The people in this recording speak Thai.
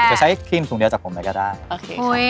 จะใช่กื่นทุ่งเดียวจากผมออกมาก็ได้